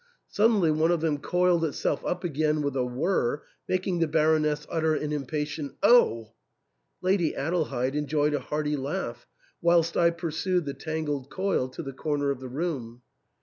Suddenly one of them coiled itself up again with a whirr, making the Baroness utter an impatient " Oh !" Lady Adelheid enjoyed a hearty laugh, whilst I pursued the tangled coil to the corner of the room.